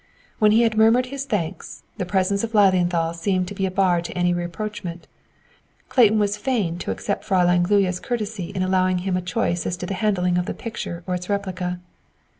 When he had murmured his thanks, the presence of Lilienthal seemed to be a bar to any rapprochement. Clayton was fain to accept Fräulein Gluyas' courtesy in allowing him a choice as to the handling of the picture or its replica.